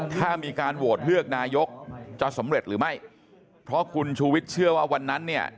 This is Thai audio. ถ้ามีการโหวตเลือกนายกจะสำเร็จหรือไม่เพราะคุณชูวิทย์เชื่อว่าวันนั้นเนี่ย